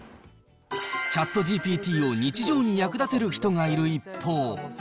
ＣｈａｔＧＰＴを日常に役立てる人がいる一方。